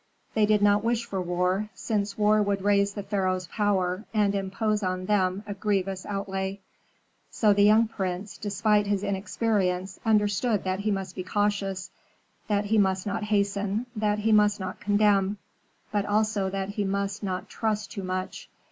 They did not wish for war, since war would raise the pharaoh's power, and impose on them a grievous outlay. So the young prince, despite his inexperience, understood that he must be cautious, that he must not hasten, that he must not condemn, but also that he must not trust too much.